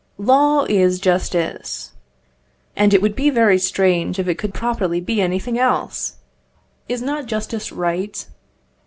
Law is justice. And it would be very strange if it could properly be anything else! Is not justice right?